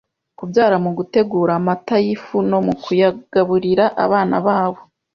kubyara mu gutegura amata y ifu no mu kuyagaburira abana babo